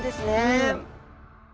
うん。